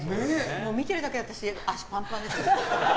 もう見てるだけで足パンパンです。